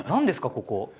ここ。